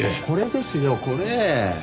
これですよこれ！